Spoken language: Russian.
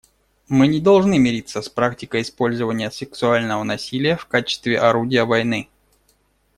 Мы не должны мириться с практикой использования сексуального насилия в качестве орудия войны.